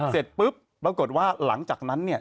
เสร็จปุ๊บปรากฏว่าหลังจากนั้นเนี่ย